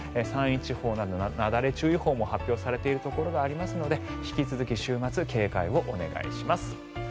山陰地方などなだれ注意報も発表されているところがありますので引き続き、週末警戒をお願いします。